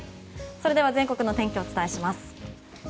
それでは全国のお天気をお伝えします。